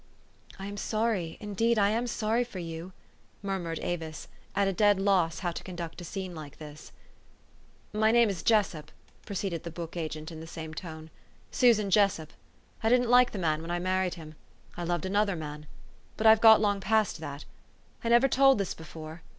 " I am sorry, indeed I am sorry for you," mur mured Avis, at a dead loss how to conduct a scene like this. " My name is Jessup," proceeded the book agent 296 TSE STORY OF AVIS. in the same tone, '' Susan Jessup. I didn't like the man when I married him. I loved another man. But I've got long past that. I never told this before.